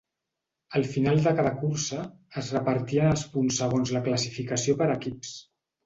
Al final de cada cursa, es repartien els punts segons la classificació per equips.